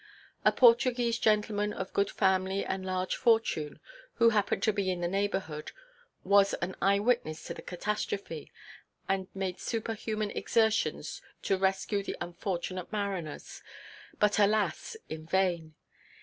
A Portuguese gentleman of good family and large fortune, who happened to be in the neighbourhood, was an eye–witness to the catastrophe, and made superhuman exertions to rescue the unfortunate mariners, but, alas! in vain.